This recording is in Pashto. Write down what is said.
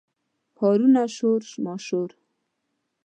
هارنونه، شور ماشور